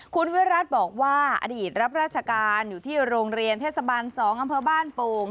คุณวิรัติบอกว่าอดีตรับราชการอยู่ที่โรงเรียนเทศบาล๒อำเภอบ้านโป่ง